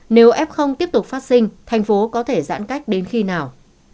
nếu f tiếp tục phát sinh thành phố có thể giãn cách đến khi nào